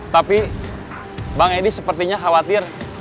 tapi bang edi sepertinya khawatir